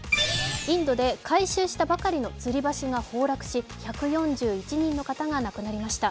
インドで改修したばかりのつり橋が崩落し１４１人の方が亡くなりました。